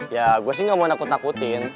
ya gue sih gak mau nakut nakutin